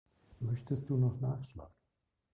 Möchtest du noch Nachschlag?